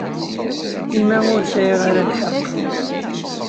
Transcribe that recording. I ma ur sɛin ara lḥeqq?